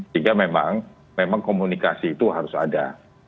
sehingga memang komunikasi itu harus ada